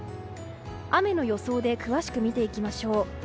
雨の予想で詳しく見ていきましょう。